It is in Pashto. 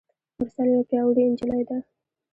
مرسل یوه پیاوړي نجلۍ ده.